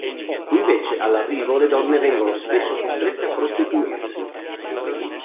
Invece all'arrivo le donne vengono spesso costrette a prostituirsi.